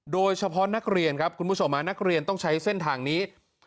โดยเฉพาะนักเรียนครับคุณผู้ชมนักเรียนต้องใช้เส้นทางนี้